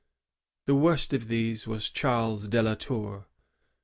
The worst of these was Charles de la Tour.